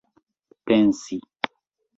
pensi